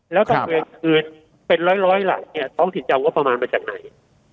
แล้วต้องคืนเป็นร้อยหลังเนี่ยท้องถิ่นจะเอางบประมาณมาจากไหน